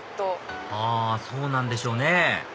あそうなんでしょうね